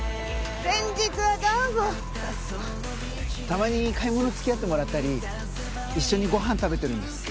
たまに買い物付き合ってもらったり一緒にご飯食べてるんです。